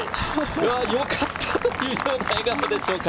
よかったというような笑顔でしょうか。